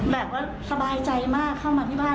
แบบว่าสบายใจมากเข้ามาที่บ้าน